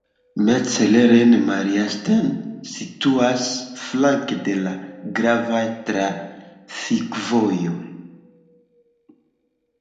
Metzleren-Mariastein situas flanke de la gravaj trafikvojoj.